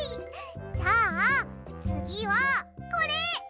じゃあつぎはこれ！